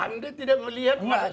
anda tidak melihat